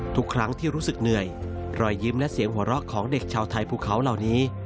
ทุกครั้งที่รู้สึกเหนื่อยรอยยิ้มและเสียงหัวเราะของเด็กชาวไทยภูเขาเหล่านี้